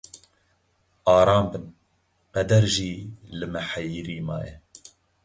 Aram bin, qeder jî li me heyirî maye.